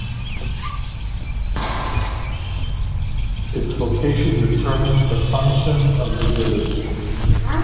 Its location determines the function of the village.